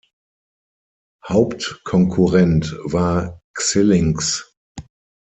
Hauptkonkurrent war Xilinx.